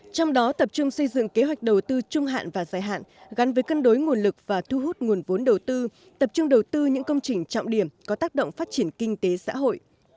trong đó tập trung xây dựng kế hoạch đầu tư trung hạn và dài hạn gắn với cân đối nguồn lực và thu hút nguồn vốn đầu tư tập trung đầu tư những công trình trọng điểm có tác động phát triển kinh tế xã hội